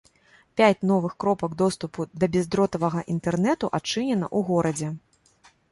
Пяць новых кропак доступу да бяздротавага інтэрнэту адчынена ў горадзе.